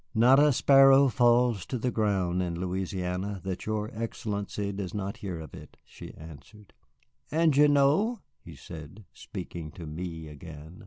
"Not a sparrow falls to the ground in Louisiana that your Excellency does not hear of it," she answered. "And Gignoux?" he said, speaking to me again.